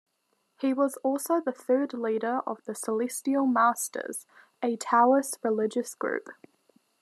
He was also the third leader of the Celestial Masters, a Taoist religious group.